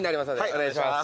お願いします。